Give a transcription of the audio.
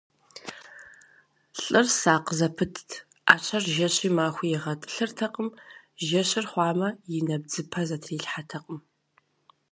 Лӏыр сакъ зэпытт: ӏэщэр жэщи махуи игъэтӏылъыртэкъым, жэщыр хъуамэ, и нэбдзыпэ зэтрилъхьэртэкъым.